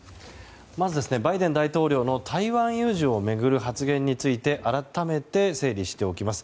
まず、バイデン大統領の台湾有事を巡る発言について改めて整理しておきます。